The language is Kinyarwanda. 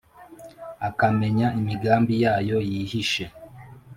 akamenya imigambi yayo yihishe,